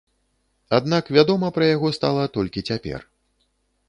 Аднак вядома пра яго стала толькі цяпер.